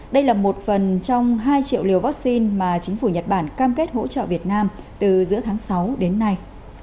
đây là một phần trong hai triệu liều vaccine mà chính phủ nhật bản cam kết hỗ trợ việt nam từ giữa tháng sáu đến nay